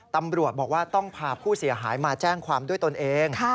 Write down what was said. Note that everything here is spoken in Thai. ตำรวจบอกว่าต้องพาผู้เสียหายมาแจ้งความด้วยตนเอง